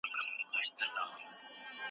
په اول د پسرلي کي د خزان استازی راغی